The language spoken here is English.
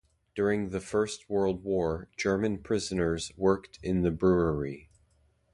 During the First World War German prisoners worked in the brewery.